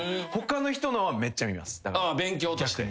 ああ勉強として。